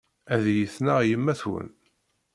Ad iyi-tneɣ yemma-twen.